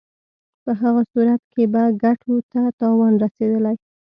په هغه صورت کې به ګټو ته یې تاوان رسېدلی.